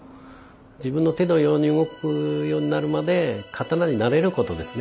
自分の手のように動くようになるまで刀に慣れることですね